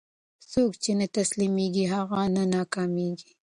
څوک چې نه تسلیمېږي، هغه نه ناکامېږي.